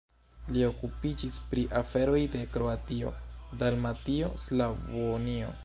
Li okupiĝis pri aferoj de Kroatio-Dalmatio-Slavonio.